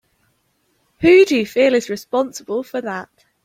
Who do you feel is responsible for that?